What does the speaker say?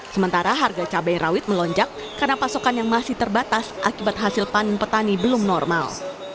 sementara harga cabai rawit melonjak karena pasokan yang masih terbatas akibat hasil panen petani belum normal